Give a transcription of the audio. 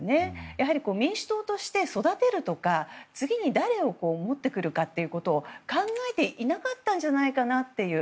やはり民主党として育てるとか次に誰を持ってくるかということを考えていなかったんじゃないかなという。